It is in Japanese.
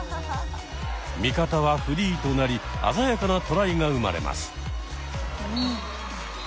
味方はフリーとなり鮮やかなトライが生まれます。